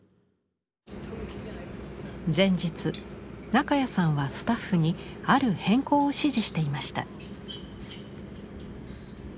中谷さんはスタッフにある変更を指示していました。